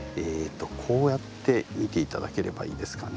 こうやって見て頂ければいいですかね。